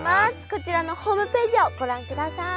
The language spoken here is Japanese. こちらのホームページをご覧ください。